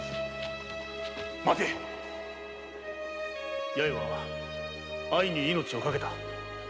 待て八重は愛に命をかけた。